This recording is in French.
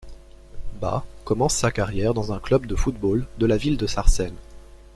Ba commence sa carrière dans un club de football de la ville de Sarcelles.